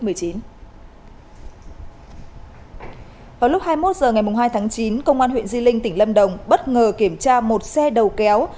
vào lúc hai mươi một h ngày hai tháng chín công an huyện di linh tỉnh lâm đồng bất ngờ kiểm tra một xe đầu kéo